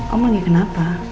om lagi kenapa